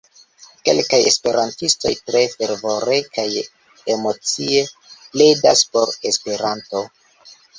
Kelkaj esperantistoj tre fervore kaj emocie pledas por Esperanto.